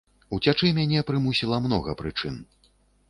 Уцячы мяне прымусіла многа прычын.